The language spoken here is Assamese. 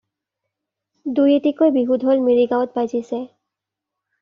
দুই-এটিকৈ বিহু ঢোল মিৰি গাঁৱত বাজিছে।